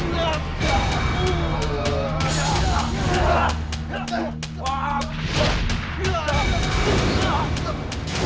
kathanya dia orang kejam